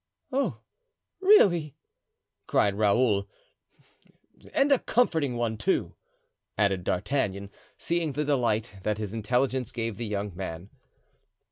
"Oh, really!" cried Raoul. "And a comforting one, too," added D'Artagnan, seeing the delight that his intelligence gave the young man.